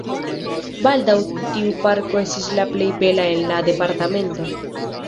Baldaŭ tiu parko estis la plej bela en la departemento.